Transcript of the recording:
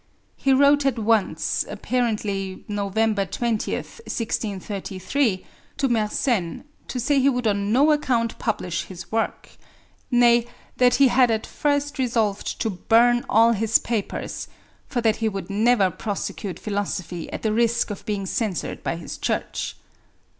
He wrote at once apparently, November 20th, 1633 to Mersenne to say he would on no account publish his work nay, that he had at first resolved to burn all his papers, for that he would never prosecute philosophy at the risk of being censured by his Church.